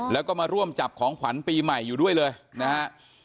แล้วก็มาร่วมจับของขวัญปีใหม่อยู่ด้วยเลยนะฮะ